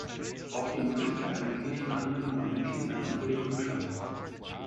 Auch die Möglichkeit einer klinischen Anwendung beim Menschen sei noch völlig unklar.